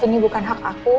ini bukan hak aku